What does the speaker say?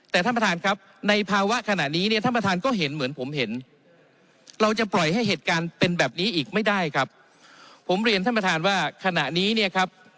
แต่ท่านประทานครับในภาวะขณะนี้เนี่ย